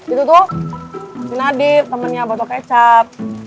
itu tuh si nadir temennya botol kecap